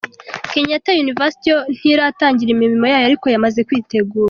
Kenyatta University yo ntiratangira imirimo yayo ariko yamaze kwitegura.